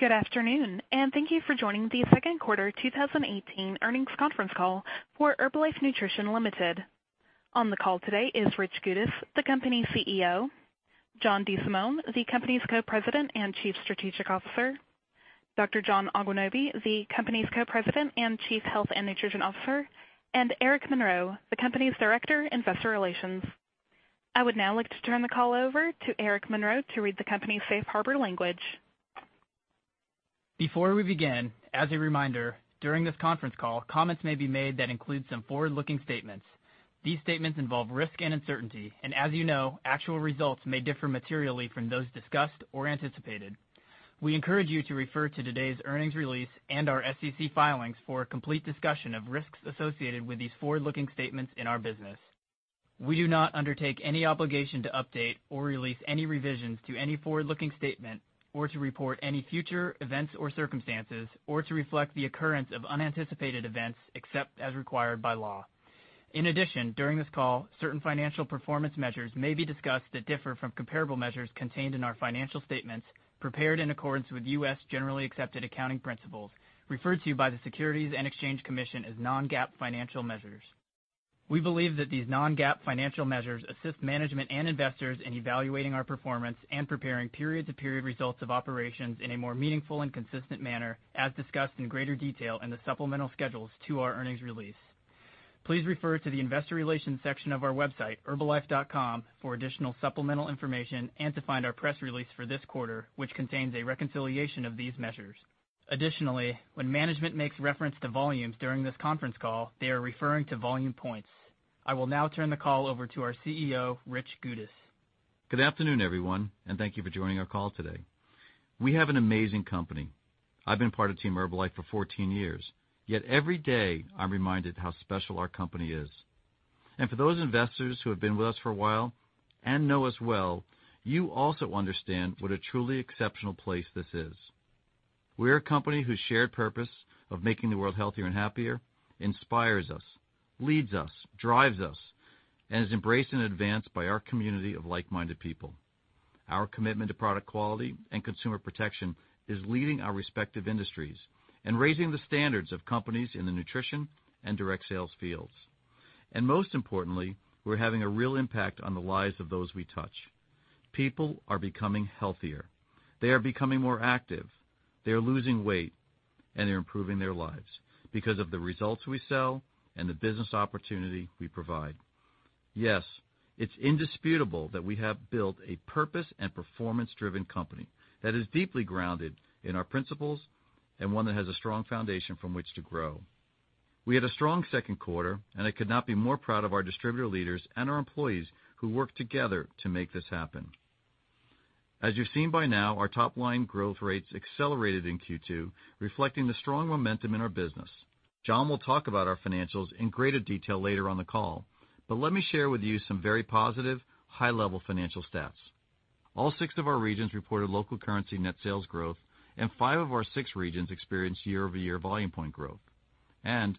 Good afternoon. Thank you for joining the second quarter 2018 earnings conference call for Herbalife Nutrition Ltd.. On the call today is Richard Goudis, the company's CEO, John DeSimone, the company's Co-President and Chief Strategic Officer, Dr. John Agwunobi, the company's Co-President and Chief Health and Nutrition Officer, and Eric Monroe, the company's Director, Investor Relations. I would now like to turn the call over to Eric Monroe to read the company's safe harbor language. Before we begin, as a reminder, during this conference call, comments may be made that include some forward-looking statements. These statements involve risk and uncertainty, and as you know, actual results may differ materially from those discussed or anticipated. We encourage you to refer to today's earnings release and our SEC filings for a complete discussion of risks associated with these forward-looking statements in our business. We do not undertake any obligation to update or release any revisions to any forward-looking statement or to report any future events or circumstances, or to reflect the occurrence of unanticipated events except as required by law. In addition, during this call, certain financial performance measures may be discussed that differ from comparable measures contained in our financial statements prepared in accordance with U.S. generally accepted accounting principles, referred to by the Securities and Exchange Commission as non-GAAP financial measures. We believe that these non-GAAP financial measures assist management and investors in evaluating our performance and preparing period-to-period results of operations in a more meaningful and consistent manner, as discussed in greater detail in the supplemental schedules to our earnings release. Please refer to the investor relations section of our website, herbalife.com, for additional supplemental information and to find our press release for this quarter, which contains a reconciliation of these measures. Additionally, when management makes reference to volumes during this conference call, they are referring to Volume Points. I will now turn the call over to our CEO, Richard Goudis. Good afternoon, everyone. Thank you for joining our call today. We have an amazing company. I've been part of Team Herbalife for 14 years, yet every day I'm reminded how special our company is. For those investors who have been with us for a while and know us well, you also understand what a truly exceptional place this is. We're a company whose shared purpose of making the world healthier and happier inspires us, leads us, drives us, and is embraced in advance by our community of like-minded people. Our commitment to product quality and consumer protection is leading our respective industries and raising the standards of companies in the nutrition and direct sales fields. Most importantly, we're having a real impact on the lives of those we touch. People are becoming healthier. They are becoming more active, they are losing weight, and they're improving their lives because of the results we sell and the business opportunity we provide. Yes, it's indisputable that we have built a purpose and performance-driven company that is deeply grounded in our principles and one that has a strong foundation from which to grow. I could not be more proud of our distributor leaders and our employees who work together to make this happen. As you've seen by now, our top-line growth rates accelerated in Q2, reflecting the strong momentum in our business. John will talk about our financials in greater detail later on the call, but let me share with you some very positive, high-level financial stats. All 6 of our regions reported local currency net sales growth, and 5 of our 6 regions experienced year-over-year Volume Point growth. On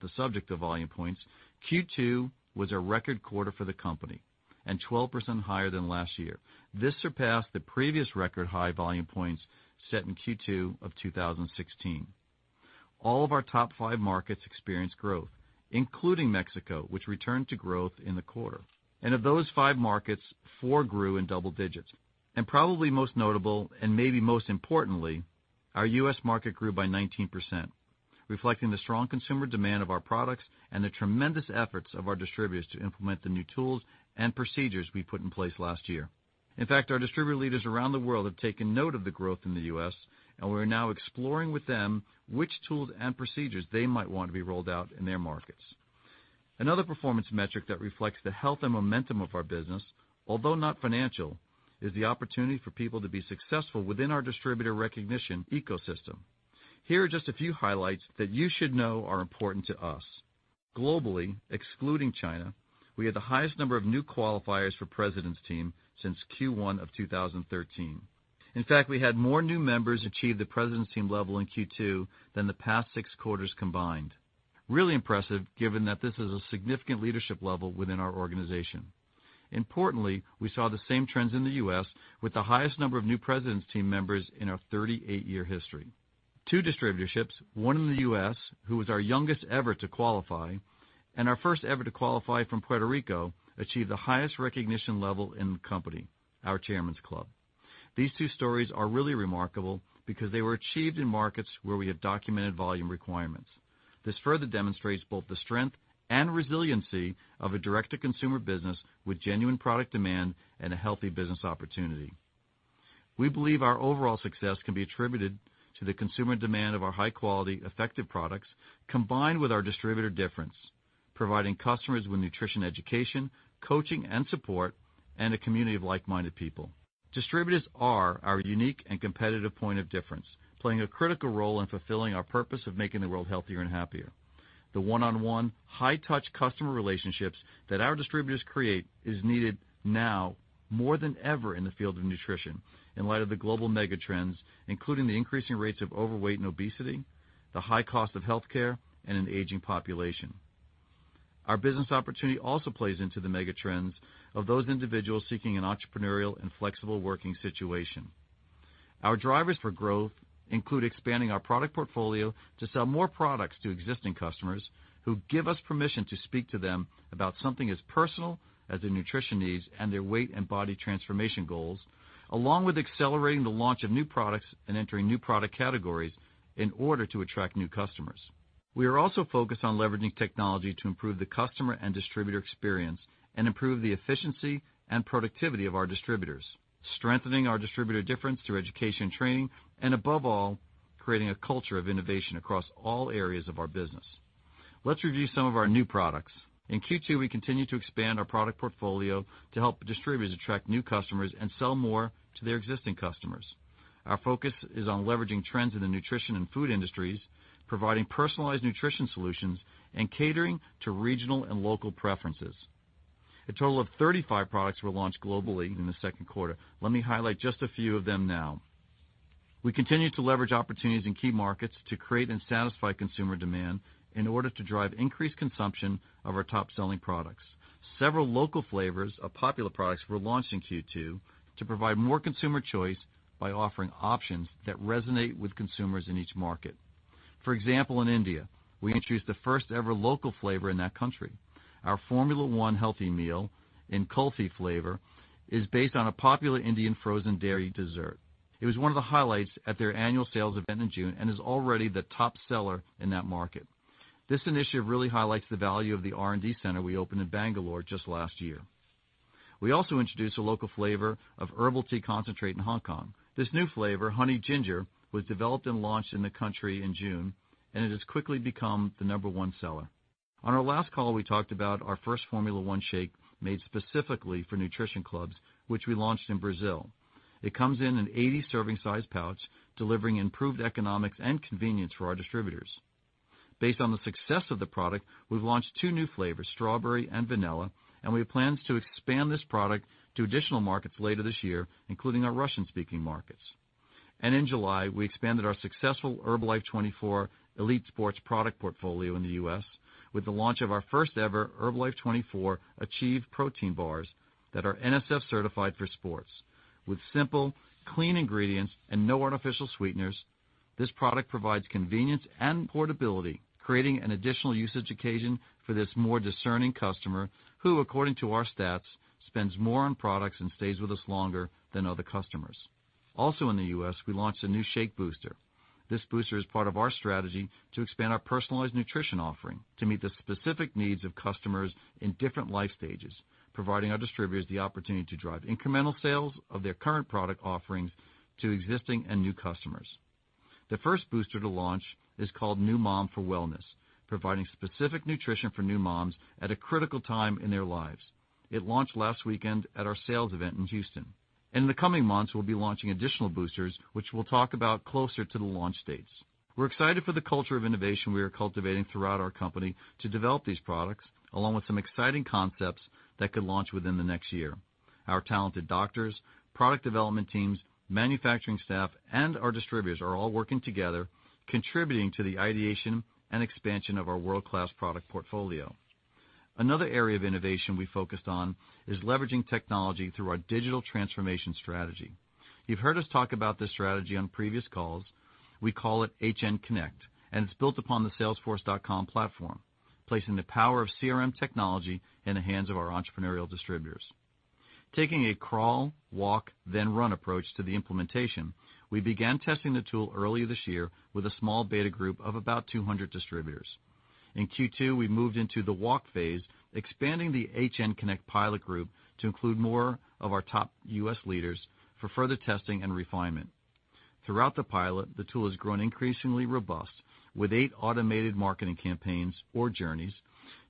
the subject of Volume Points, Q2 was a record quarter for the company and 12% higher than last year. This surpassed the previous record high Volume Points set in Q2 of 2016. All of our top 5 markets experienced growth, including Mexico, which returned to growth in the quarter. Of those 5 markets, 4 grew in double digits. Probably most notable, and maybe most importantly, our U.S. market grew by 19%, reflecting the strong consumer demand of our products and the tremendous efforts of our distributors to implement the new tools and procedures we put in place last year. In fact, our distributor leaders around the world have taken note of the growth in the U.S., we're now exploring with them which tools and procedures they might want to be rolled out in their markets. Another performance metric that reflects the health and momentum of our business, although not financial, is the opportunity for people to be successful within our distributor recognition ecosystem. Here are just a few highlights that you should know are important to us. Globally, excluding China, we had the highest number of new qualifiers for President's Team since Q1 of 2013. In fact, we had more new members achieve the President's Team level in Q2 than the past 6 quarters combined. Really impressive given that this is a significant leadership level within our organization. Importantly, we saw the same trends in the U.S. with the highest number of new President's Team members in our 38-year history. 2 distributorships, one in the U.S., who was our youngest ever to qualify, and our first ever to qualify from Puerto Rico, achieved the highest recognition level in the company, our Chairman's Club. These 2 stories are really remarkable because they were achieved in markets where we have documented volume requirements. This further demonstrates both the strength and resiliency of a direct-to-consumer business with genuine product demand and a healthy business opportunity. We believe our overall success can be attributed to the consumer demand of our high-quality, effective products, combined with our distributor difference, providing customers with nutrition education, coaching and support, and a community of like-minded people. Distributors are our unique and competitive point of difference, playing a critical role in fulfilling our purpose of making the world healthier and happier. The one-on-one high-touch customer relationships that our distributors create is needed now more than ever in the field of nutrition in light of the global mega trends, including the increasing rates of overweight and obesity, the high cost of healthcare, and an aging population. Our business opportunity also plays into the mega trends of those individuals seeking an entrepreneurial and flexible working situation. Our drivers for growth include expanding our product portfolio to sell more products to existing customers who give us permission to speak to them about something as personal as their nutrition needs and their weight and body transformation goals, along with accelerating the launch of new products and entering new product categories in order to attract new customers. We are also focused on leveraging technology to improve the customer and distributor experience and improve the efficiency and productivity of our distributors, strengthening our distributor difference through education and training, and above all, creating a culture of innovation across all areas of our business. Let's review some of our new products. In Q2, we continued to expand our product portfolio to help distributors attract new customers and sell more to their existing customers. Our focus is on leveraging trends in the nutrition and food industries, providing personalized nutrition solutions, and catering to regional and local preferences. A total of 35 products were launched globally in the second quarter. Let me highlight just a few of them now. We continue to leverage opportunities in key markets to create and satisfy consumer demand in order to drive increased consumption of our top-selling products. Several local flavors of popular products were launched in Q2 to provide more consumer choice by offering options that resonate with consumers in each market. For example, in India, we introduced the first-ever local flavor in that country. Our Formula 1 Healthy Meal in Kulfi flavor is based on a popular Indian frozen dairy dessert. It was one of the highlights at their annual sales event in June and is already the top seller in that market. This initiative really highlights the value of the R&D center we opened in Bangalore just last year. We also introduced a local flavor of Herbal Tea Concentrate in Hong Kong. This new flavor, honey ginger, was developed and launched in the country in June, and it has quickly become the number one seller. On our last call, we talked about our first Formula 1 shake made specifically for nutrition clubs, which we launched in Brazil. It comes in an 80-serving size pouch, delivering improved economics and convenience for our distributors. Based on the success of the product, we've launched two new flavors, strawberry and vanilla, and we have plans to expand this product to additional markets later this year, including our Russian-speaking markets. In July, we expanded our successful Herbalife24 Elite Sports product portfolio in the U.S. with the launch of our first ever Herbalife24 Achieve protein bars that are NSF certified for sports. With simple, clean ingredients and no artificial sweeteners, this product provides convenience and portability, creating an additional usage occasion for this more discerning customer, who, according to our stats, spends more on products and stays with us longer than other customers. Also in the U.S., we launched a new shake booster. This booster is part of our strategy to expand our personalized nutrition offering to meet the specific needs of customers in different life stages, providing our distributors the opportunity to drive incremental sales of their current product offerings to existing and new customers. The first booster to launch is called New Mom for Wellness, providing specific nutrition for new moms at a critical time in their lives. It launched last weekend at our sales event in Houston. In the coming months, we'll be launching additional boosters, which we'll talk about closer to the launch dates. We're excited for the culture of innovation we are cultivating throughout our company to develop these products, along with some exciting concepts that could launch within the next year. Our talented doctors, product development teams, manufacturing staff, and our distributors are all working together, contributing to the ideation and expansion of our world-class product portfolio. Another area of innovation we focused on is leveraging technology through our digital transformation strategy. You've heard us talk about this strategy on previous calls. We call it HNConnect, and it's built upon the salesforce.com platform, placing the power of CRM technology in the hands of our entrepreneurial distributors. Taking a crawl, walk, then run approach to the implementation, we began testing the tool earlier this year with a small beta group of about 200 distributors. In Q2, we moved into the walk phase, expanding the HNConnect pilot group to include more of our top U.S. leaders for further testing and refinement. Throughout the pilot, the tool has grown increasingly robust with eight automated marketing campaigns or journeys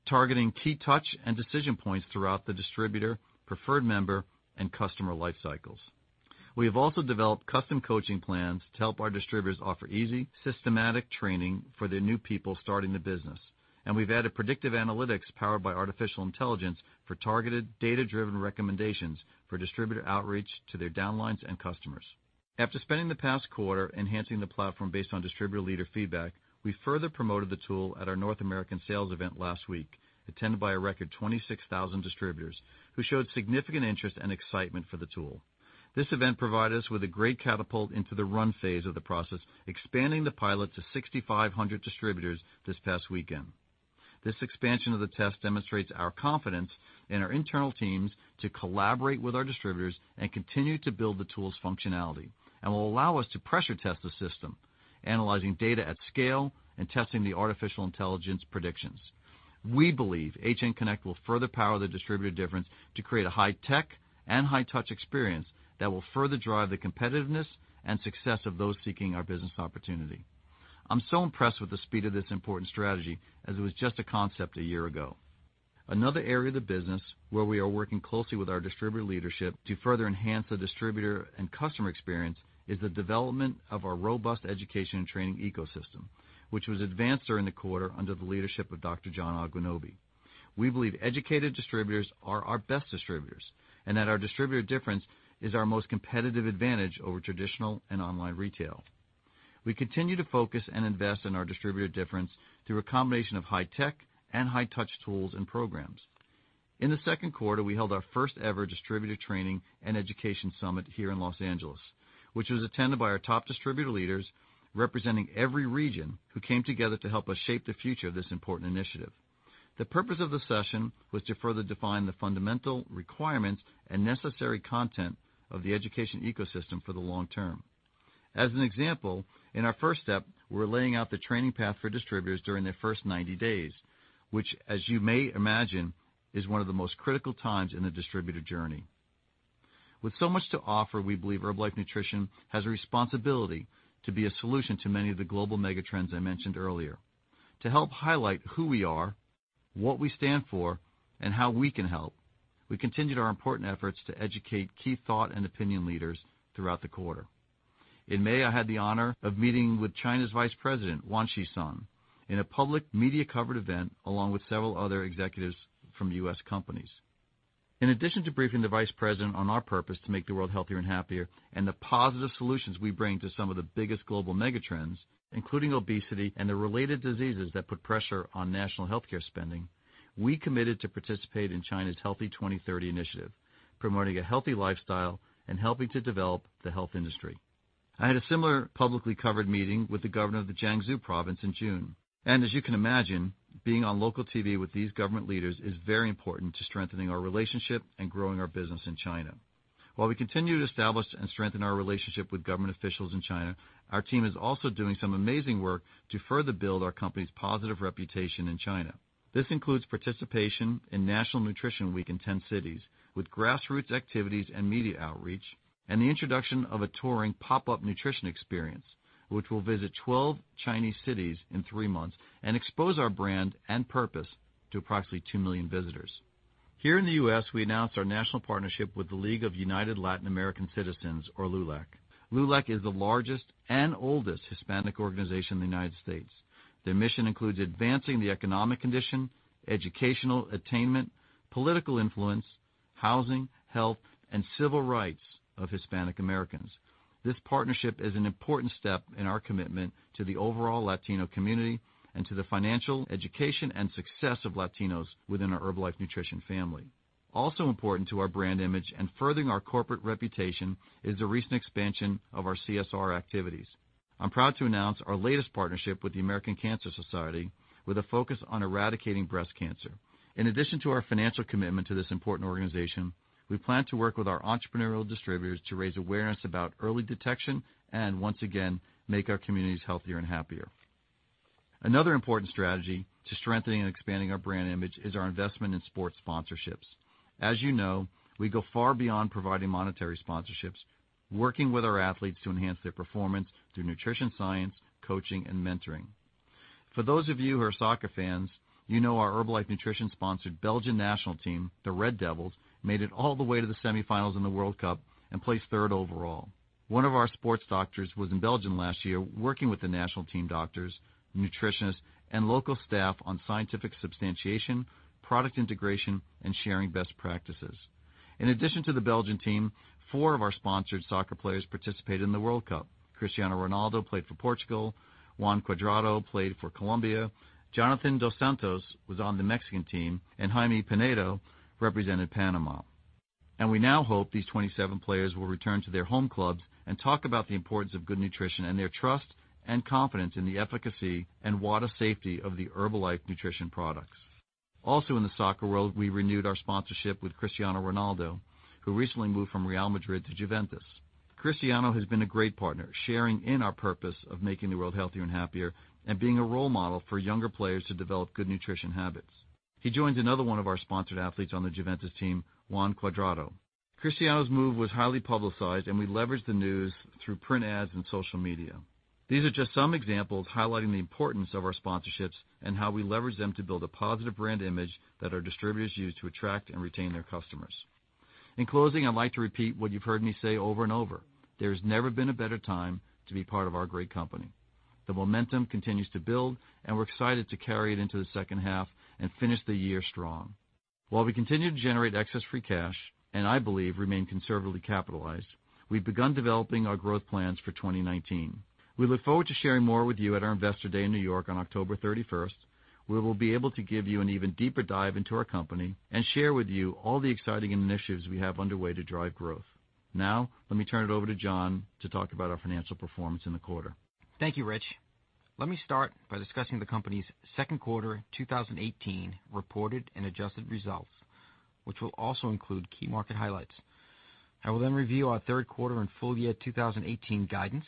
targeting key touch and decision points throughout the distributor, Preferred Member, and customer life cycles. We have also developed custom coaching plans to help our distributors offer easy, systematic training for their new people starting the business. And we've added predictive analytics powered by artificial intelligence for targeted data-driven recommendations for distributor outreach to their downlines and customers. After spending the past quarter enhancing the platform based on distributor leader feedback, we further promoted the tool at our North American sales event last week, attended by a record 26,000 distributors, who showed significant interest and excitement for the tool. This event provided us with a great catapult into the run phase of the process, expanding the pilot to 6,500 distributors this past weekend. This expansion of the test demonstrates our confidence in our internal teams to collaborate with our distributors and continue to build the tool's functionality and will allow us to pressure test the system, analyzing data at scale and testing the artificial intelligence predictions. We believe HNConnect will further power the distributor difference to create a high-tech and high-touch experience that will further drive the competitiveness and success of those seeking our business opportunity. I'm so impressed with the speed of this important strategy, as it was just a concept a year ago. Another area of the business where we are working closely with our distributor leadership to further enhance the distributor and customer experience is the development of our robust education and training ecosystem, which was advanced during the quarter under the leadership of Dr. John Agwunobi. We believe educated distributors are our best distributors and that our distributor difference is our most competitive advantage over traditional and online retail. We continue to focus and invest in our distributor difference through a combination of high-tech and high-touch tools and programs. In the second quarter, we held our first-ever distributor training and education summit here in Los Angeles, which was attended by our top distributor leaders representing every region, who came together to help us shape the future of this important initiative. The purpose of the session was to further define the fundamental requirements and necessary content of the education ecosystem for the long term. As an example, in our first step, we're laying out the training path for distributors during their first 90 days, which, as you may imagine, is one of the most critical times in the distributor journey. With so much to offer, we believe Herbalife Nutrition has a responsibility to be a solution to many of the global mega trends I mentioned earlier. To help highlight who we are, what we stand for, and how we can help, we continued our important efforts to educate key thought and opinion leaders throughout the quarter. In May, I had the honor of meeting with China's Vice President, Wang Qishan, in a public media-covered event, along with several other executives from U.S. companies. In addition to briefing the vice president on our purpose to make the world healthier and happier and the positive solutions we bring to some of the biggest global mega trends, including obesity and the related diseases that put pressure on national healthcare spending, we committed to participate in China's Healthy China 2030 initiative, promoting a healthy lifestyle and helping to develop the health industry. I had a similar publicly covered meeting with the governor of the Jiangsu Province in June. As you can imagine, being on local TV with these government leaders is very important to strengthening our relationship and growing our business in China. While we continue to establish and strengthen our relationship with government officials in China, our team is also doing some amazing work to further build our company's positive reputation in China. This includes participation in National Nutrition Week in 10 cities with grassroots activities and media outreach, and the introduction of a touring pop-up nutrition experience, which will visit 12 Chinese cities in three months and expose our brand and purpose to approximately two million visitors. Here in the U.S., we announced our national partnership with the League of United Latin American Citizens, or LULAC. LULAC is the largest and oldest Hispanic organization in the United States. Their mission includes advancing the economic condition, educational attainment, political influence, housing, health, and civil rights of Hispanic Americans. This partnership is an important step in our commitment to the overall Latino community and to the financial education and success of Latinos within our Herbalife Nutrition family. Also important to our brand image and furthering our corporate reputation is the recent expansion of our CSR activities. I'm proud to announce our latest partnership with the American Cancer Society, with a focus on eradicating breast cancer. In addition to our financial commitment to this important organization, we plan to work with our entrepreneurial distributors to raise awareness about early detection and, once again, make our communities healthier and happier. Another important strategy to strengthening and expanding our brand image is our investment in sports sponsorships. As you know, we go far beyond providing monetary sponsorships, working with our athletes to enhance their performance through nutrition science, coaching, and mentoring. For those of you who are soccer fans, you know our Herbalife Nutrition sponsored Belgian national team, the Red Devils, made it all the way to the semifinals in the World Cup and placed third overall. One of our sports doctors was in Belgium last year working with the national team doctors, nutritionists, and local staff on scientific substantiation, product integration, and sharing best practices. In addition to the Belgian team, four of our sponsored soccer players participated in the World Cup. Cristiano Ronaldo played for Portugal, Juan Cuadrado played for Colombia, Jonathan dos Santos was on the Mexican team, and Jaime Penedo represented Panama. We now hope these 27 players will return to their home clubs and talk about the importance of good nutrition and their trust and confidence in the efficacy and water safety of the Herbalife Nutrition products. Also, in the soccer world, we renewed our sponsorship with Cristiano Ronaldo, who recently moved from Real Madrid to Juventus. Cristiano has been a great partner, sharing in our purpose of making the world healthier and happier and being a role model for younger players to develop good nutrition habits. He joins another one of our sponsored athletes on the Juventus team, Juan Cuadrado. Cristiano's move was highly publicized, and we leveraged the news through print ads and social media. These are just some examples highlighting the importance of our sponsorships and how we leverage them to build a positive brand image that our distributors use to attract and retain their customers. In closing, I'd like to repeat what you've heard me say over and over. There's never been a better time to be part of our great company. The momentum continues to build, and we're excited to carry it into the second half and finish the year strong. While we continue to generate excess free cash and, I believe, remain conservatively capitalized, we've begun developing our growth plans for 2019. We look forward to sharing more with you at our Investor Day in New York on October 31st. We will be able to give you an even deeper dive into our company and share with you all the exciting initiatives we have underway to drive growth. Now, let me turn it over to John to talk about our financial performance in the quarter. Thank you, Rich. Let me start by discussing the company's second quarter 2018 reported and adjusted results, which will also include key market highlights. I will then review our third quarter and full year 2018 guidance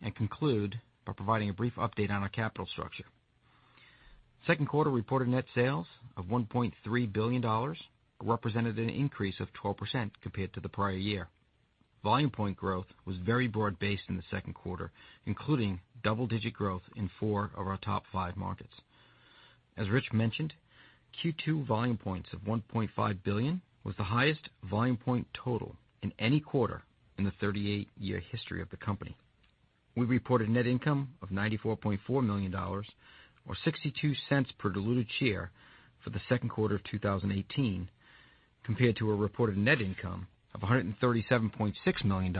and conclude by providing a brief update on our capital structure. Second quarter reported net sales of $1.3 billion represented an increase of 12% compared to the prior year. Volume Point growth was very broad-based in the second quarter, including double-digit growth in four of our top five markets. As Rich mentioned, Q2 Volume Points of 1.5 billion was the highest Volume Point total in any quarter in the 38-year history of the company. We reported net income of $94.4 million, or $0.62 per diluted share for the second quarter of 2018. Compared to a reported net income of $137.6 million,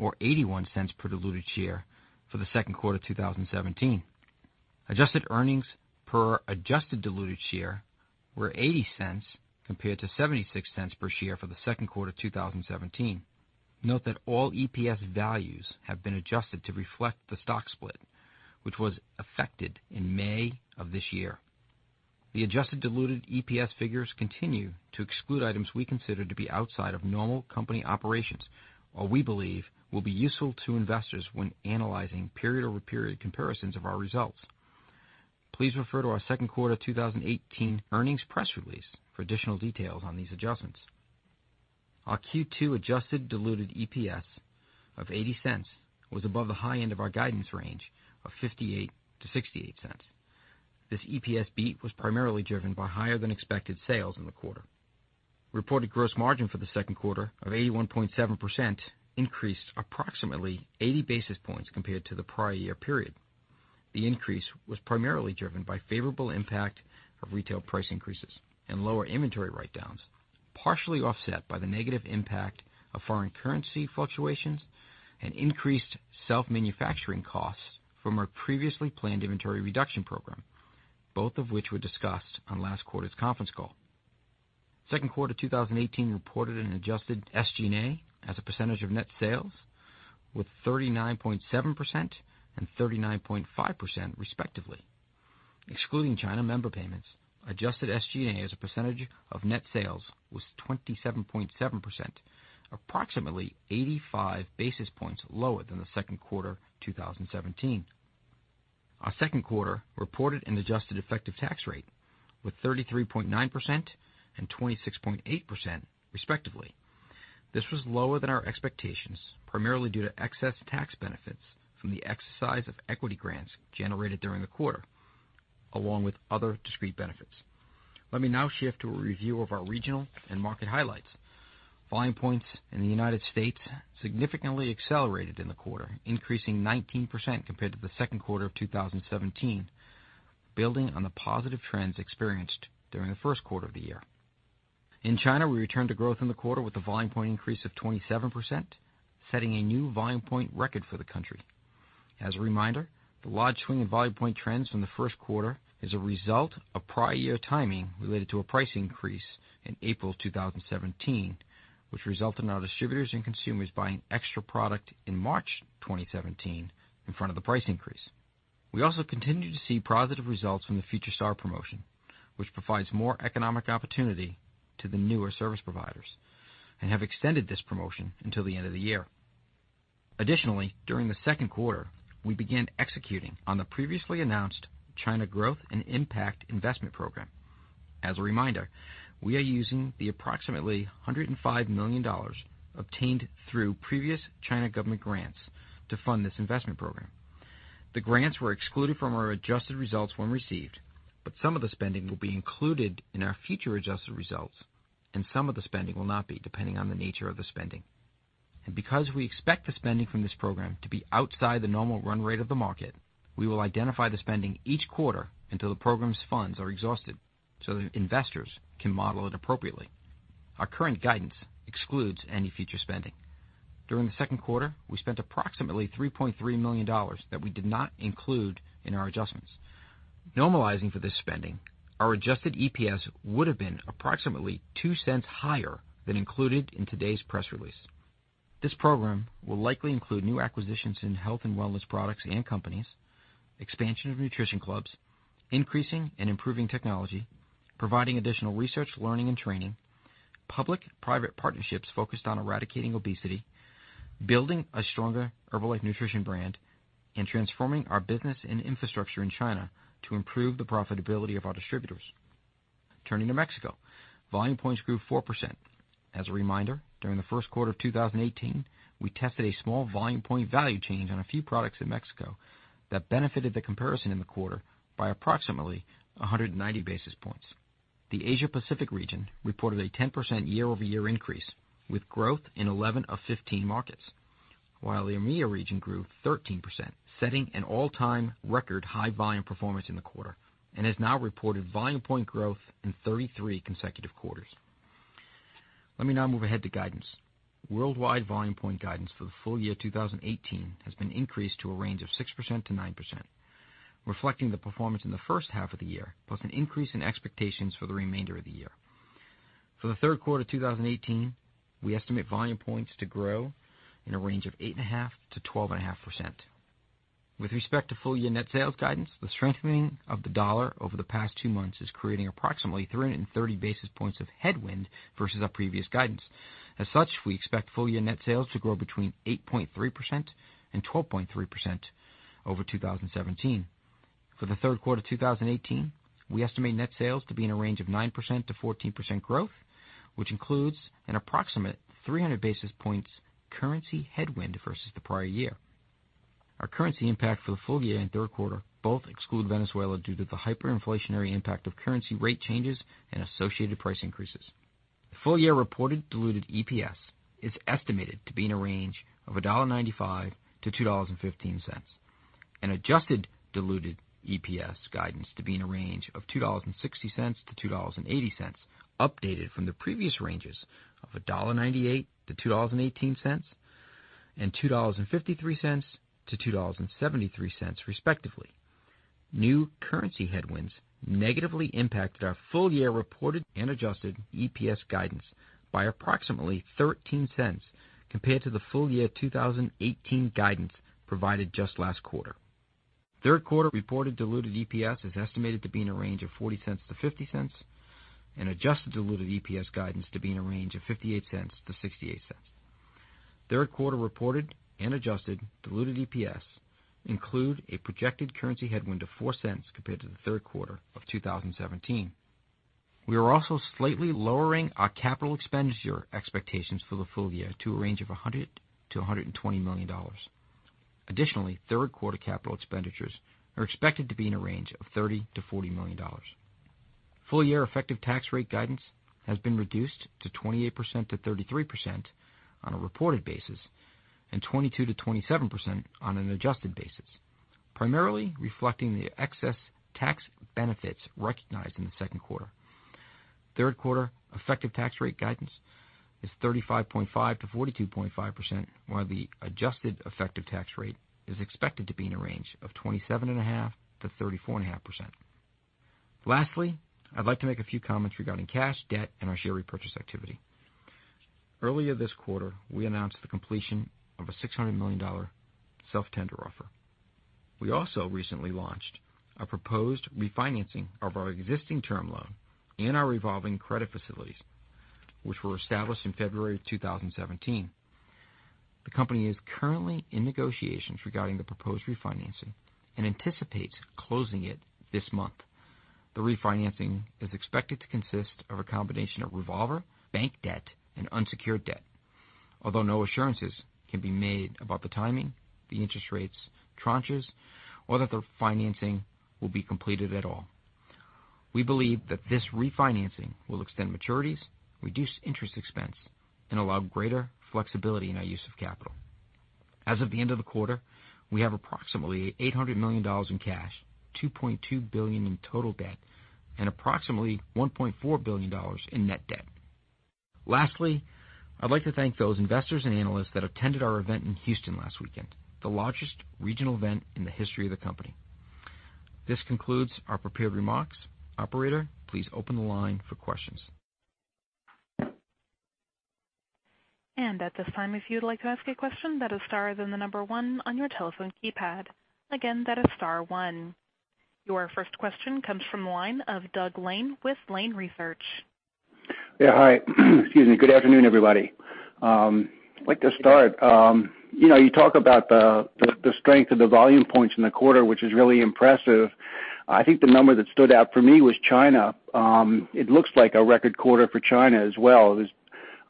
or $0.81 per diluted share for the second quarter 2017. Adjusted earnings per adjusted diluted share were $0.80 compared to $0.76 per share for the second quarter 2017. Note that all EPS values have been adjusted to reflect the stock split, which was affected in May of this year. The adjusted diluted EPS figures continue to exclude items we consider to be outside of normal company operations, while we believe will be useful to investors when analyzing period-over-period comparisons of our results. Please refer to our second quarter 2018 earnings press release for additional details on these adjustments. Our Q2 adjusted diluted EPS of $0.80 was above the high end of our guidance range of $0.58-$0.68. This EPS beat was primarily driven by higher than expected sales in the quarter. Reported gross margin for the second quarter of 81.7% increased approximately 80 basis points compared to the prior year period. The increase was primarily driven by favorable impact of retail price increases and lower inventory write-downs, partially offset by the negative impact of foreign currency fluctuations and increased self-manufacturing costs from our previously planned inventory reduction program, both of which were discussed on last quarter's conference call. Second quarter 2018 reported an adjusted SG&A as a percentage of net sales with 39.7% and 39.5% respectively. Excluding China member payments, adjusted SG&A as a percentage of net sales was 27.7%, approximately 85 basis points lower than the second quarter 2017. Our second quarter reported an adjusted effective tax rate with 33.9% and 26.8% respectively. This was lower than our expectations, primarily due to excess tax benefits from the exercise of equity grants generated during the quarter, along with other discrete benefits. Let me now shift to a review of our regional and market highlights. Volume Points in the U.S. significantly accelerated in the quarter, increasing 19% compared to the second quarter of 2017, building on the positive trends experienced during the first quarter of the year. In China, we returned to growth in the quarter with a Volume Point increase of 27%, setting a new Volume Point record for the country. As a reminder, the large swing in Volume Point trends from the first quarter is a result of prior year timing related to a price increase in April 2017, which resulted in our distributors and consumers buying extra product in March 2017 in front of the price increase. We also continue to see positive results from the Future Star promotion, which provides more economic opportunity to the newer service providers, and have extended this promotion until the end of the year. During the second quarter, we began executing on the previously announced China Growth and Impact Investment program. As a reminder, we are using the approximately $105 million obtained through previous China government grants to fund this investment program. The grants were excluded from our adjusted results when received, but some of the spending will be included in our future adjusted results, and some of the spending will not be, depending on the nature of the spending. Because we expect the spending from this program to be outside the normal run rate of the market, we will identify the spending each quarter until the program's funds are exhausted so that investors can model it appropriately. Our current guidance excludes any future spending. During the second quarter, we spent approximately $3.3 million that we did not include in our adjustments. Normalizing for this spending, our adjusted EPS would have been approximately $0.02 higher than included in today's press release. This program will likely include new acquisitions in health and wellness products and companies, expansion of nutrition clubs, increasing and improving technology, providing additional research, learning, and training, public-private partnerships focused on eradicating obesity, building a stronger Herbalife Nutrition brand, and transforming our business and infrastructure in China to improve the profitability of our distributors. Turning to Mexico, Volume Points grew 4%. As a reminder, during the first quarter of 2018, we tested a small Volume Point value change on a few products in Mexico that benefited the comparison in the quarter by approximately 190 basis points. The Asia Pacific region reported a 10% year-over-year increase, with growth in 11 of 15 markets, while the EMEIA region grew 13%, setting an all-time record high volume performance in the quarter and has now reported Volume Point growth in 33 consecutive quarters. Let me now move ahead to guidance. Worldwide Volume Point guidance for the full year 2018 has been increased to a range of 6%-9%, reflecting the performance in the first half of the year, plus an increase in expectations for the remainder of the year. For the third quarter 2018, we estimate Volume Points to grow in a range of 8.5%-12.5%. With respect to full year net sales guidance, the strengthening of the dollar over the past two months is creating approximately 330 basis points of headwind versus our previous guidance. We expect full-year net sales to grow between 8.3% and 12.3% over 2017. For the third quarter 2018, we estimate net sales to be in a range of 9%-14% growth, which includes an approximate 300 basis points currency headwind versus the prior year. Our currency impact for the full year and third quarter both exclude Venezuela due to the hyperinflationary impact of currency rate changes and associated price increases. The full-year reported diluted EPS is estimated to be in a range of $1.95-$2.15. Adjusted diluted EPS guidance to be in a range of $2.60-$2.80, updated from the previous ranges of $1.98-$2.18, and $2.53-$2.73, respectively. New currency headwinds negatively impacted our full-year reported and adjusted EPS guidance by approximately $0.13 compared to the full-year 2018 guidance provided just last quarter. Third quarter reported diluted EPS is estimated to be in a range of $0.40-$0.50 and adjusted diluted EPS guidance to be in a range of $0.58-$0.68. Third quarter reported and adjusted diluted EPS include a projected currency headwind of $0.04 compared to the third quarter of 2017. We are also slightly lowering our capital expenditure expectations for the full year to a range of $100 million-$120 million. Additionally, third quarter capital expenditures are expected to be in a range of $30 million-$40 million. Full year effective tax rate guidance has been reduced to 28%-33% on a reported basis, and 22%-27% on an adjusted basis, primarily reflecting the excess tax benefits recognized in the second quarter. Third quarter effective tax rate guidance is 35.5%-42.5%, while the adjusted effective tax rate is expected to be in a range of 27.5%-34.5%. Lastly, I'd like to make a few comments regarding cash, debt, and our share repurchase activity. Earlier this quarter, we announced the completion of a $600 million self-tender offer. We also recently launched a proposed refinancing of our existing term loan and our revolving credit facilities, which were established in February of 2017. The company is currently in negotiations regarding the proposed refinancing and anticipates closing it this month. The refinancing is expected to consist of a combination of revolver, bank debt, and unsecured debt, although no assurances can be made about the timing, the interest rates, tranches, or that the financing will be completed at all. We believe that this refinancing will extend maturities, reduce interest expense, and allow greater flexibility in our use of capital. As of the end of the quarter, we have approximately $800 million in cash, $2.2 billion in total debt, and approximately $1.4 billion in net debt. Lastly, I'd like to thank those investors and analysts that attended our event in Houston last weekend, the largest regional event in the history of the company. This concludes our prepared remarks. Operator, please open the line for questions. At this time, if you'd like to ask a question, that is star, then the number 1 on your telephone keypad. Again, that is star one. Your first question comes from the line of Doug Lane with Lane Research. Hi. Excuse me. Good afternoon, everybody. I'd like to start. You talk about the strength of the Volume Points in the quarter, which is really impressive. I think the number that stood out for me was China. It looks like a record quarter for China as well.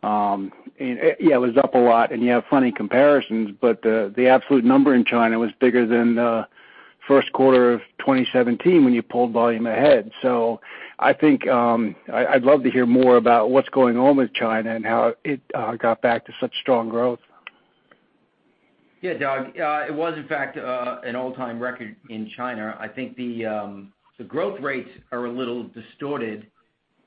Yeah, it was up a lot, and you have funny comparisons, but the absolute number in China was bigger than the first quarter of 2017 when you pulled volume ahead. I think I'd love to hear more about what's going on with China and how it got back to such strong growth. Yeah, Doug, it was in fact an all-time record in China. I think the growth rates are a little distorted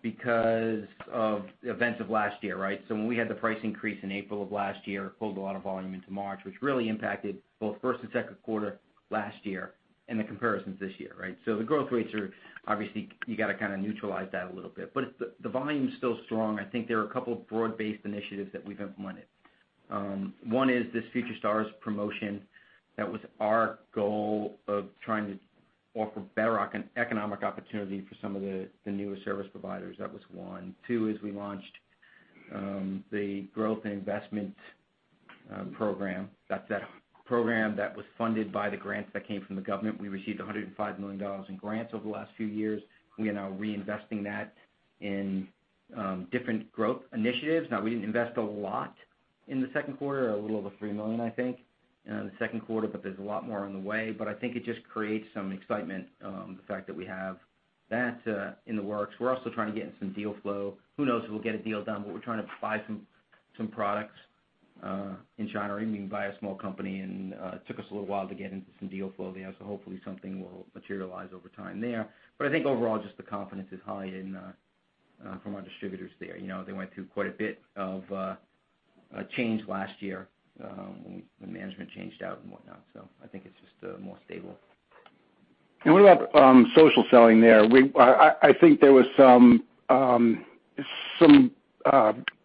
because of the events of last year, right? When we had the price increase in April of last year, it pulled a lot of volume into March, which really impacted both first and second quarter last year and the comparisons this year, right? The growth rates are obviously, you got to kind of neutralize that a little bit. The volume's still strong. I think there are a couple of broad-based initiatives that we've implemented. One is this Future Stars promotion that was our goal of trying to offer better economic opportunity for some of the newer service providers. That was one. Two is we launched the Growth and Investment program. That's that program that was funded by the grants that came from the government. We received $105 million in grants over the last few years. We are now reinvesting that in different growth initiatives. Now, we didn't invest a lot in the second quarter, a little over $3 million, I think, in the second quarter, but there's a lot more on the way. I think it just creates some excitement, the fact that we have that in the works. We're also trying to get in some deal flow. Who knows if we'll get a deal done, but we're trying to buy some products in China, or even buy a small company. It took us a little while to get into some deal flow there. Hopefully something will materialize over time there. I think overall, just the confidence is high from our distributors there. They went through quite a bit of change last year when management changed out and whatnot. I think it's just more stable. What about social selling there? I think there was some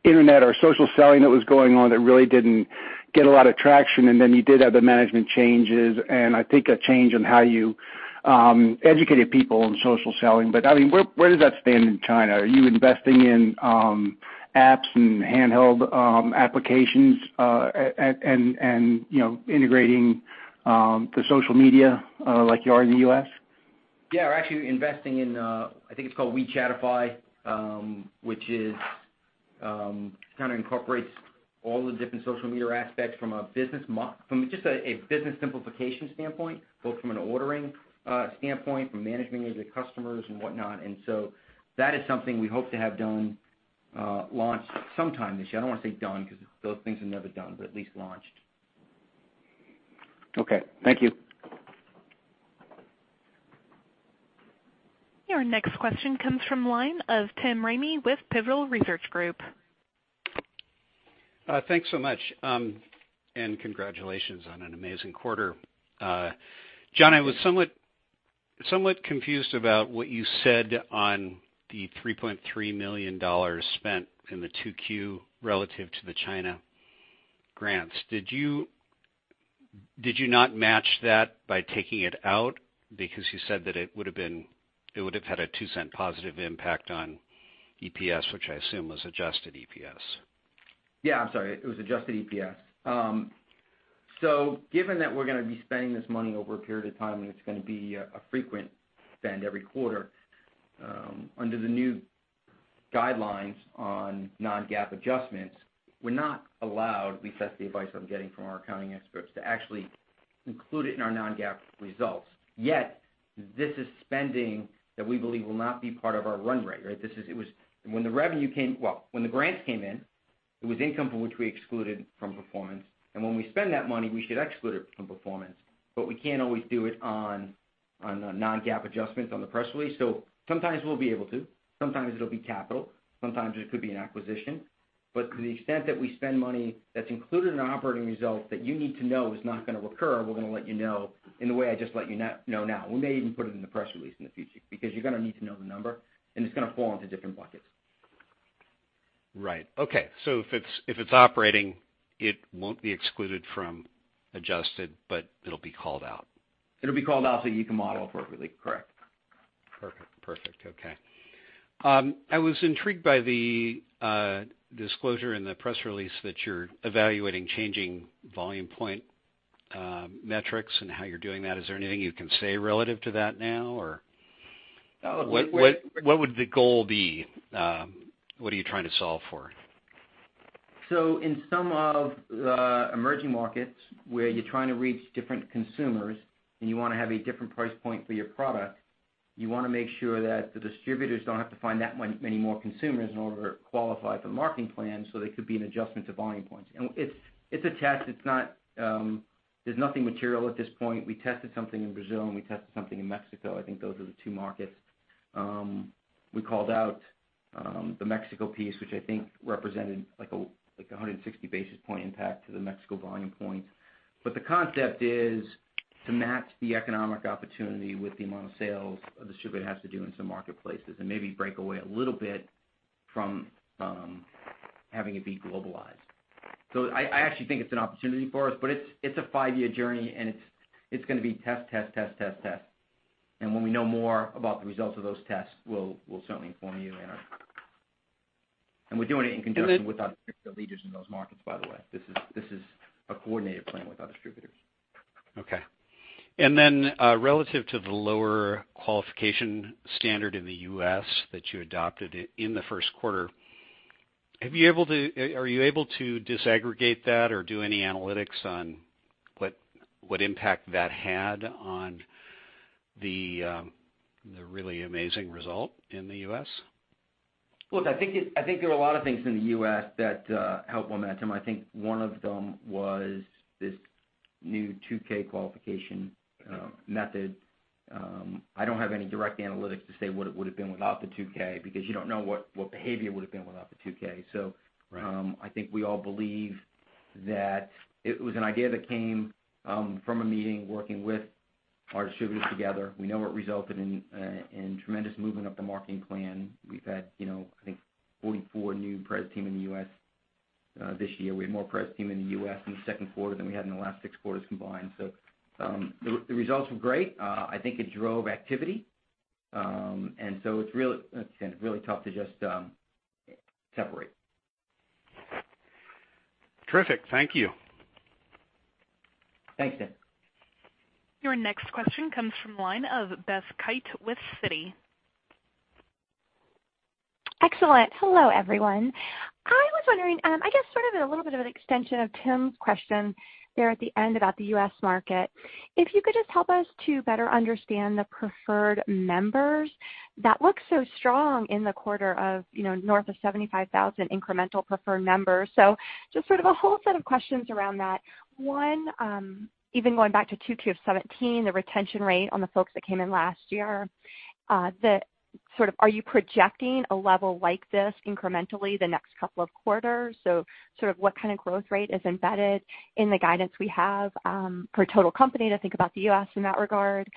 internet or social selling that was going on that really didn't get a lot of traction, and then you did have the management changes and I think a change in how you educated people on social selling. I mean, where does that stand in China? Are you investing in apps and handheld applications, and integrating the social media like you are in the U.S.? Yeah, we're actually investing in, I think it's called WeChatify, which kind of incorporates all the different social media aspects from just a business simplification standpoint, both from an ordering standpoint, from managing the customers and whatnot. That is something we hope to have launch sometime this year. I don't want to say done, because those things are never done, but at least launched. Okay. Thank you. Your next question comes from line of Tim Ramey with Pivotal Research Group. Thanks so much. Congratulations on an amazing quarter. John, I was somewhat confused about what you said on the $3.3 million spent in the 2Q relative to the China grants. Did you not match that by taking it out? You said that it would have had a $0.02 positive impact on EPS, which I assume was adjusted EPS. Yeah. I'm sorry. It was adjusted EPS. Given that we're going to be spending this money over a period of time, and it's going to be a frequent spend every quarter, under the new guidelines on non-GAAP adjustments, we're not allowed, at least that's the advice I'm getting from our accounting experts, to actually include it in our non-GAAP results. Yet, this is spending that we believe will not be part of our run rate, right? When the grants came in, it was income from which we excluded from performance, and when we spend that money, we should exclude it from performance. We can't always do it on a non-GAAP adjustment on the press release. Sometimes we'll be able to, sometimes it'll be capital, sometimes it could be an acquisition. To the extent that we spend money that's included in our operating results that you need to know is not going to occur, we're going to let you know in the way I just let you know now. We may even put it in the press release in the future, because you're going to need to know the number, and it's going to fall into different buckets. Right. Okay. If it's operating, it won't be excluded from adjusted, but it'll be called out. It'll be called out so you can model it appropriately. Correct. Perfect. Okay. I was intrigued by the disclosure in the press release that you're evaluating changing Volume Point metrics and how you're doing that. Is there anything you can say relative to that now? What would the goal be? What are you trying to solve for? In some of the emerging markets where you're trying to reach different consumers and you want to have a different price point for your product, you want to make sure that the distributors don't have to find that many more consumers in order to qualify for marketing plans, there could be an adjustment to Volume Points. It's a test. There's nothing material at this point. We tested something in Brazil, and we tested something in Mexico. I think those are the two markets. We called out the Mexico piece, which I think represented like a 160 basis point impact to the Mexico Volume Point. The concept is to match the economic opportunity with the amount of sales a distributor has to do in some marketplaces and maybe break away a little bit from having it be globalized. I actually think it's an opportunity for us, but it's a five-year journey, and it's going to be test. When we know more about the results of those tests, we'll certainly inform you. We're doing it in concert with our distributors leaders in those markets, by the way. This is a coordinated plan with our distributors. Okay. Relative to the lower qualification standard in the U.S. that you adopted in the first quarter, are you able to disaggregate that or do any analytics on what impact that had on the really amazing result in the U.S.? Look, I think there are a lot of things in the U.S. that help momentum. I think one of them was this new 2K qualification method. I don't have any direct analytics to say what it would've been without the 2K, because you don't know what behavior would've been without the 2K. Right. I think we all believe that it was an idea that came from a meeting working with our distributors together. We know it resulted in tremendous movement of the marketing plan. We've had I think 44 new Pres Team in the U.S. this year. We had more Pres Team in the U.S. in the second quarter than we had in the last six quarters combined. The results were great. I think it drove activity. It's, again, really tough to just separate. Terrific. Thank you. Thanks, Tim. Your next question comes from line of Beth Kite with Citi. Excellent. Hello, everyone. I was wondering, I guess sort of at a little bit of an extension of Tim's question there at the end about the U.S. market. If you could just help us to better understand the Preferred Members that looked so strong in the quarter of north of 75,000 incremental Preferred Members. Just sort of a whole set of questions around that. One, even going back to Q2 2017, the retention rate on the folks that came in last year, are you projecting a level like this incrementally the next couple of quarters? What kind of growth rate is embedded in the guidance we have for total company to think about the U.S. in that regard?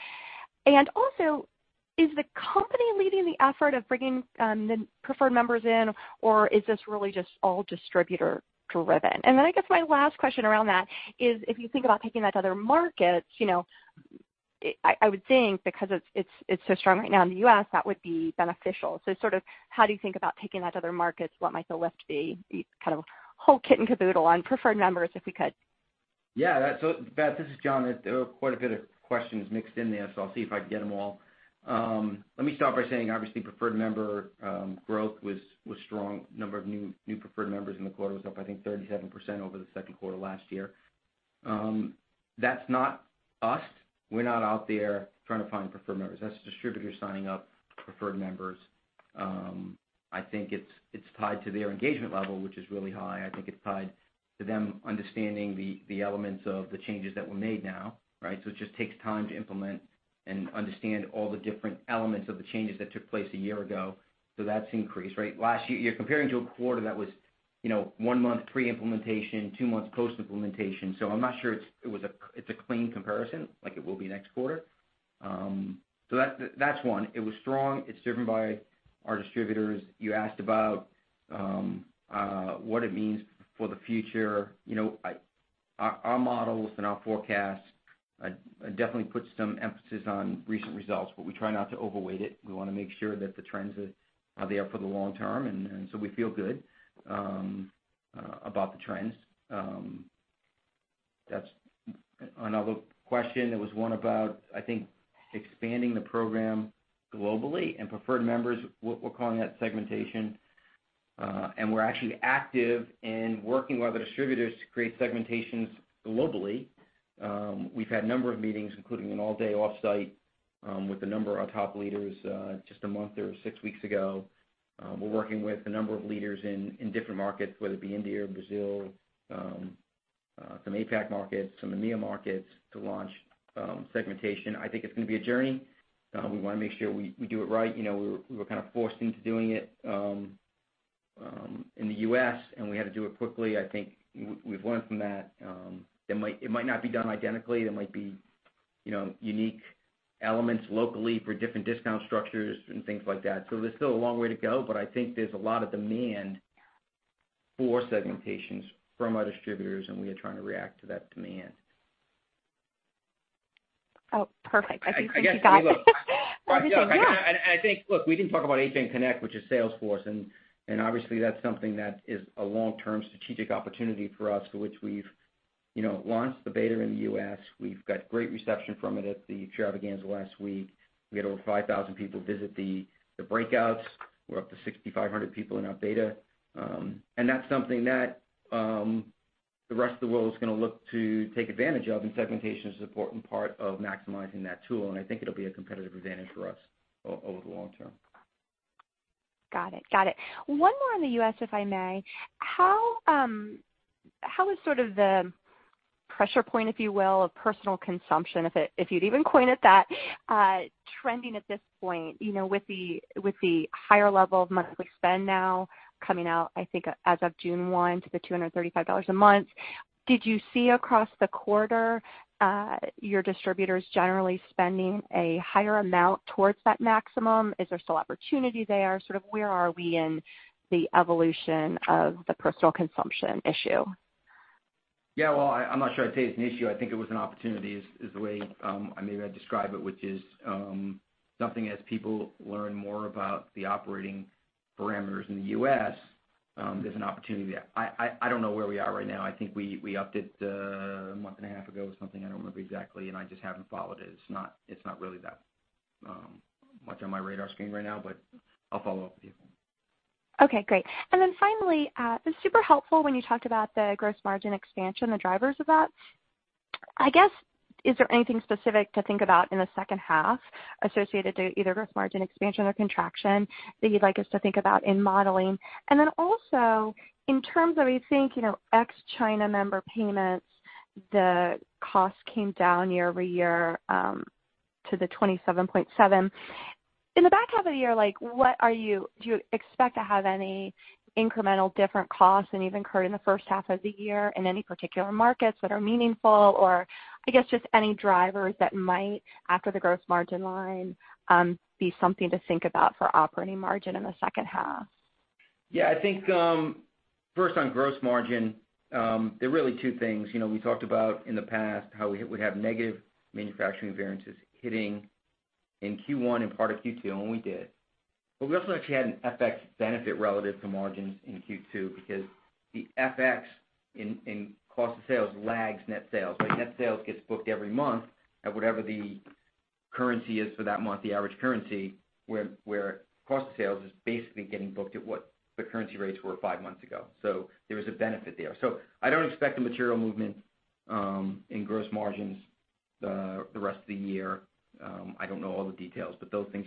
Is the company leading the effort of bringing the Preferred Members in, or is this really just all distributor driven? I guess my last question around that is, if you think about taking that to other markets, I would think because it's so strong right now in the U.S., that would be beneficial. How do you think about taking that to other markets? What might the lift be? Kind of whole kit and caboodle on Preferred Members, if we could. Yeah. Beth, this is John. There were quite a bit of questions mixed in there, so I'll see if I can get them all. Let me start by saying, obviously, Preferred Member growth was strong. Number of new Preferred Members in the quarter was up, I think, 37% over the second quarter last year. That's not us. We're not out there trying to find Preferred Members. That's the distributor signing up Preferred Members. I think it's tied to their engagement level, which is really high. I think it's tied to them understanding the elements of the changes that were made now. It just takes time to implement and understand all the different elements of the changes that took place a year ago. That's increased. Last year, you're comparing to a quarter that was one month pre-implementation, two months post-implementation. I'm not sure it's a clean comparison, like it will be next quarter. That's one. It was strong. It's driven by our distributors. You asked about what it means for the future. Our models and our forecasts, I definitely put some emphasis on recent results, but we try not to overweight it. We want to make sure that the trends are there for the long term. We feel good about the trends. Another question that was one about, I think, expanding the program globally and Preferred Members, we're calling that segmentation. We're actually active in working with our distributors to create segmentations globally. We've had a number of meetings, including an all-day offsite, with a number of our top leaders, just a month or six weeks ago. We're working with a number of leaders in different markets, whether it be India or Brazil, some APAC markets, some EMEA markets, to launch segmentation. I think it's going to be a journey. We want to make sure we do it right. We were kind of forced into doing it in the U.S., and we had to do it quickly. I think we've learned from that. It might not be done identically. There might be unique elements locally for different discount structures and things like that. There's still a long way to go, but I think there's a lot of demand for segmentations from our distributors. We are trying to react to that demand. Perfect. I think we got it. I think, look, we didn't talk about HNConnect, which is Salesforce. Obviously, that's something that is a long-term strategic opportunity for us to which we've launched the beta in the U.S. We've got great reception from it at the Extravaganza last week. We had over 5,000 people visit the breakouts. We're up to 6,500 people in our beta. That's something that the rest of the world is going to look to take advantage of. Segmentation is an important part of maximizing that tool. I think it'll be a competitive advantage for us over the long term. Got it. One more on the U.S., if I may. How is sort of the pressure point, if you will, of personal consumption, if you'd even coin it that, trending at this point with the higher level of monthly spend now coming out, I think, as of June 1 to the $235 a month? Did you see across the quarter your distributors generally spending a higher amount towards that maximum? Is there still opportunity there? Sort of where are we in the evolution of the personal consumption issue? Well, I'm not sure I'd say it's an issue. I think it was an opportunity, is the way maybe I'd describe it, which is something as people learn more about the operating parameters in the U.S., there's an opportunity there. I don't know where we are right now. I think we upped it a month and a half ago or something. I don't remember exactly, I just haven't followed it. It's not really that much on my radar screen right now, but I'll follow up with you. Okay, great. Finally, it was super helpful when you talked about the gross margin expansion, the drivers of that. I guess, is there anything specific to think about in the second half associated to either gross margin expansion or contraction that you'd like us to think about in modeling? Also, in terms of, I think, ex-China member payments, the cost came down year-over-year to the 27.7%. In the back half of the year, do you expect to have any incremental different costs than you've incurred in the first half of the year in any particular markets that are meaningful? Or I guess just any drivers that might, after the gross margin line, be something to think about for operating margin in the second half? I think, first on gross margin, there are really two things. We talked about in the past how we have negative manufacturing variances hitting in Q1 and part of Q2, and we did. We also actually had an FX benefit relative to margins in Q2 because the FX in cost of sales lags net sales. Net sales gets booked every month at whatever the currency is for that month, the average currency, where cost of sales is basically getting booked at what the currency rates were five months ago. There was a benefit there. I don't expect a material movement in gross margins the rest of the year. I don't know all the details, but those things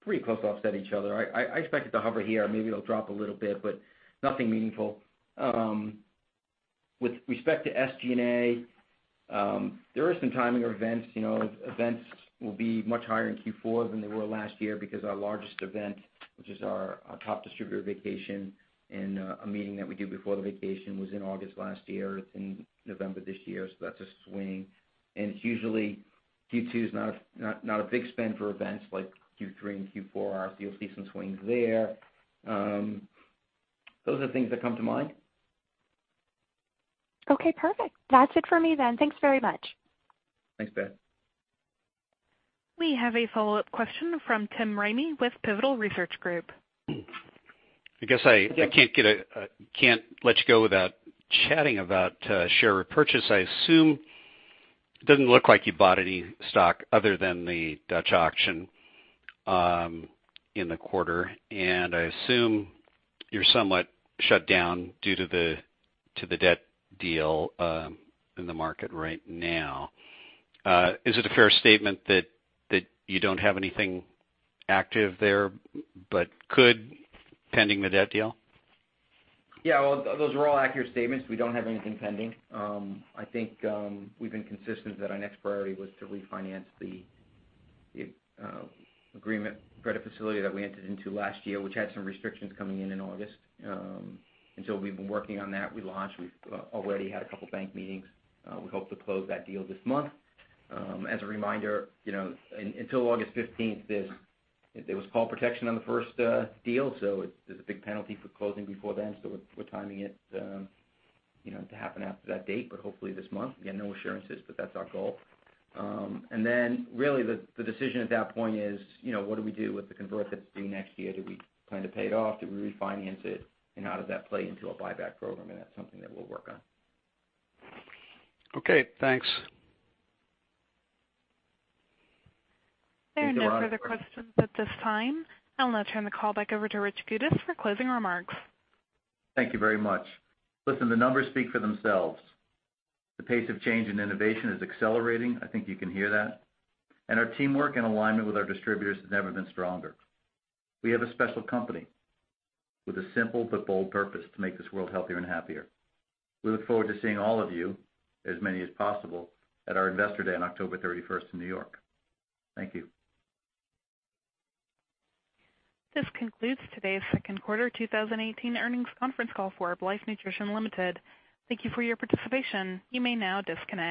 pretty close offset each other. I expect it to hover here. Maybe it'll drop a little bit, but nothing meaningful. With respect to SG&A, there is some timing events. Events will be much higher in Q4 than they were last year because our largest event, which is our top distributor vacation and a meeting that we do before the vacation, was in August last year. It's in November this year. That's a swing. Usually, Q2 is not a big spend for events like Q3 and Q4 are, so you'll see some swings there. Those are the things that come to mind. Okay, perfect. That's it for me then. Thanks very much. Thanks, Beth. We have a follow-up question from Tim Ramey with Pivotal Research Group. I guess I can't let you go without chatting about share repurchase. It doesn't look like you bought any stock other than the Dutch auction in the quarter, and I assume you're somewhat shut down due to the debt deal in the market right now. Is it a fair statement that you don't have anything active there, but could, pending the debt deal? Yeah. Well, those are all accurate statements. We don't have anything pending. I think we've been consistent that our next priority was to refinance the agreement credit facility that we entered into last year, which had some restrictions coming in in August. So we've been working on that. We've already had a couple bank meetings. We hope to close that deal this month. As a reminder, until August 15th, there was call protection on the first deal, so there's a big penalty for closing before then. So we're timing it to happen after that date, but hopefully this month. Again, no assurances, but that's our goal. Then really the decision at that point is, what do we do with the convert that's due next year? Do we plan to pay it off? Do we refinance it? How does that play into a buyback program? That's something that we'll work on. Okay, thanks. There are no further questions at this time. I'll now turn the call back over to Richard Goudis for closing remarks. Thank you very much. Listen, the numbers speak for themselves. The pace of change and innovation is accelerating. I think you can hear that. Our teamwork and alignment with our distributors has never been stronger. We have a special company with a simple but bold purpose to make this world healthier and happier. We look forward to seeing all of you, as many as possible, at our Investor Day on October 31st in New York. Thank you. This concludes today's second quarter 2018 earnings conference call for Herbalife Nutrition Ltd. Thank you for your participation. You may now disconnect.